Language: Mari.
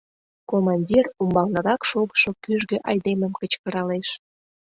«Командир» умбалнырак шогышо кӱжгӧ айдемым кычкыралеш: